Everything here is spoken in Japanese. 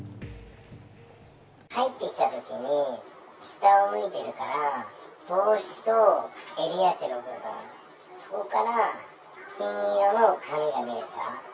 入ってきたときに、下を向いてるから、帽子と襟足の部分、そこから、金色の髪が見えた。